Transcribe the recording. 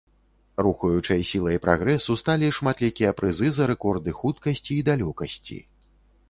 Рухаючай сілай прагрэсу сталі шматлікія прызы за рэкорды хуткасці і далёкасці.